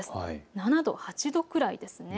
７度、８度くらいです。